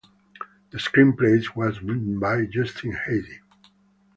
The screenplay was written by Justin Haythe.